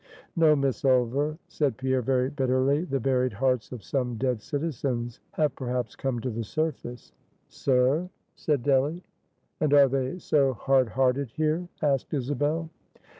"No, Miss Ulver," said Pierre, very bitterly, "the buried hearts of some dead citizens have perhaps come to the surface." "Sir?" said Delly. "And are they so hard hearted here?" asked Isabel.